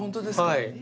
はい。